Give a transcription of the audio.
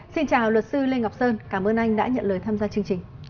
xin chào luật sư lê ngọc sơn cảm ơn anh đã nhận lời tham gia chương trình